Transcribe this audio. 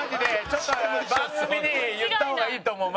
ちょっと番組に言った方がいいと思う。